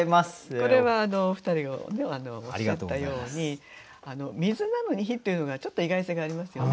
これはお二人がおっしゃったように水なのに火というのがちょっと意外性がありますよね。